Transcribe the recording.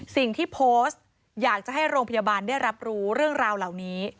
สิ่งที่โพสต์อยากจะให้โรงพยาบาลได้รับรู้เรื่องราวเหล่านี้